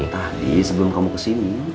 tadi sebelum kamu kesini